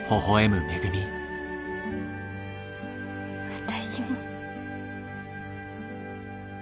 私も。